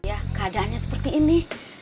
ya keadaannya seperti ini